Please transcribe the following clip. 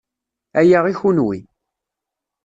Aya i kenwi.